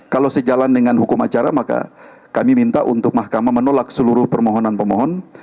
kalau sejalan dengan hukum acara maka kami minta untuk mahkamah menolak seluruh permohonan pemohon